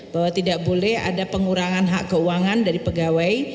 bahwa tidak boleh ada pengurangan hak keuangan dari pegawai